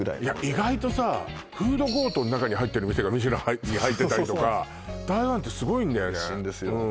意外とさフードコートの中に入ってる店がミシュランに入ってたりとか台湾ってすごいんだよねおいしいんですよ